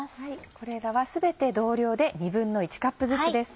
これらは全て同量で１／２カップずつです。